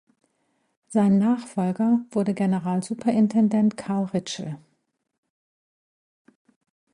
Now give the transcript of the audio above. Sein Nachfolger wurde Generalsuperintendent Carl Ritschl.